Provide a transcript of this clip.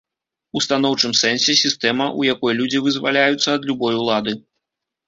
У станоўчым сэнсе, сістэма, у якой людзі вызваляюцца ад любой улады.